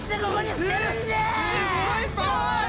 すすごいパワーだ！